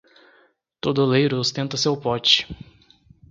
Todo oleiro ostenta seu pote.